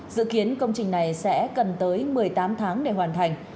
dự kiến công trình này sẽ cần tới một mươi tám tháng để hoàn thành